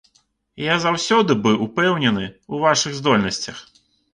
Я заўсёды быў упэўнены ў вашых здольнасцях.